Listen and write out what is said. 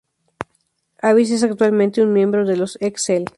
Abyss es actualmente un miembro de los X-Cell.